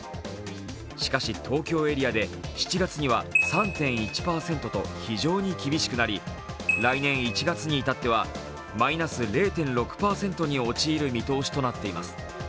しかし、東京エリアで７月には３．１％と非常に厳しくなり、来年１月にいたってはマイナス０．６％に陥る見通しとなっています。